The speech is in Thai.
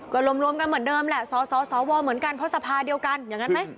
ก็รวมกันเหมือนเดิมแหละสสวเหมือนกันเพราะสภาเดียวกันอย่างนั้นไหม